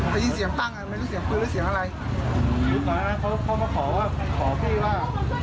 ได้ยินเสียงปั้งอ่ะไม่รู้เสียงปืนหรือเสียงอะไรตอนนั้นเขาเขามาขอพี่ว่า